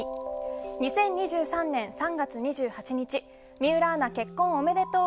２０２３年３月２８日水卜アナ結婚おめでとう！